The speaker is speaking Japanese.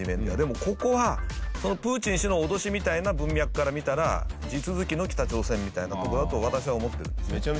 でもここはそのプーチン氏の脅しみたいな文脈から見たら地続きの北朝鮮みたいなとこだと私は思ってるんですね。